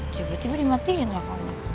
tiba tiba dimatiin lah karena